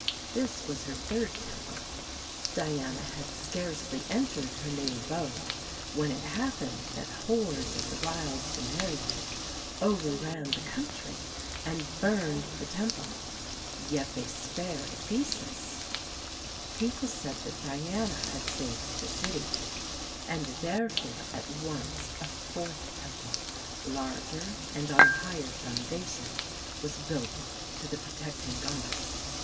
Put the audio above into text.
This was her third temple. Diana had scarcely entered her new abode when it happened that hordes of the wild Cimmerians io6 THE SEVEN WONDERS overran the country and burned the temple, yet they spared Ephesus. The people said that Diana had saved the city, and therefore at once a fourth temple, larger and on a higher foundation, was built to the protecting goddess.